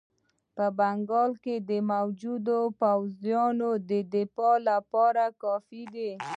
په بنګال کې موجود پوځونه د دفاع لپاره کافي دي.